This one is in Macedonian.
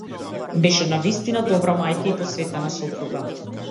Беше навистина добра мајка и посветена сопруга.